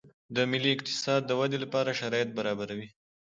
د ملي اقتصاد د ودې لپاره شرایط برابروي